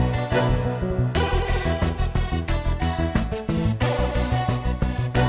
pernah berjaya telfon sattelij